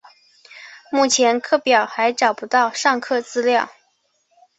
目前课表还找不到上课资料